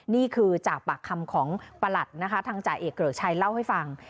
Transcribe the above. นี่คือจากปากคำของประหลัดนะคะทางจ่าเอกเกริกชัยเล่าให้ฟัง